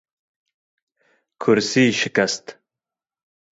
Kursî şikest